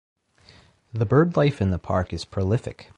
The birdlife in the park is prolific.